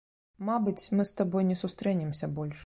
Мабыць, мы з табой не сустрэнемся больш.